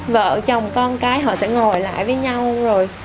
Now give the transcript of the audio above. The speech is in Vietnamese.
vợ chồng con cái họ sẽ ngồi lại với nhau rồi